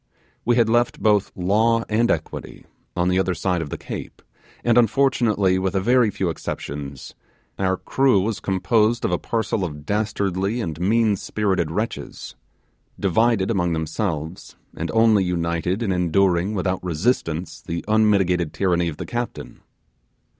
We had left both law and equity on the other side of the Cape; and unfortunately, with a very few exceptions, our crew was composed of a parcel of dastardly and meanspirited wretches, divided among themselves, and only united in enduring without resistance the unmitigated tyranny of the captain.